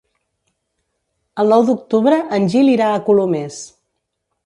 El nou d'octubre en Gil irà a Colomers.